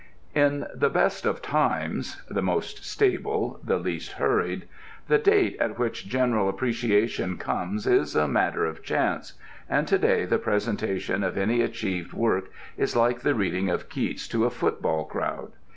In the best of times (the most stable, the least hurried) the date at which general appreciation comes is a matter of chance, and to day the presentation of any achieved work is like the reading of Keats to a football crowd.